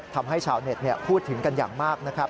ทำให้ชาวเน็ตพูดถึงกันอย่างมากนะครับ